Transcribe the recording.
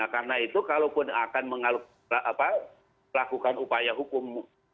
karena itu kalau pun akan melakukan upaya hukum